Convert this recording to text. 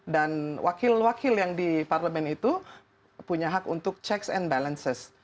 wakil wakil yang di parlemen itu punya hak untuk checks and balances